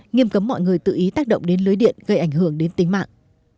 nghiêm cấm mọi người tự ý tác động đến lưới điện gây ảnh hưởng đến tính mạng